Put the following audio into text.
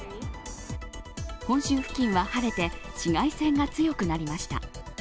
本州付近は晴れて、紫外線が強くなりました。